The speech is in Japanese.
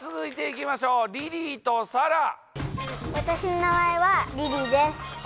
私の名前はリリーです。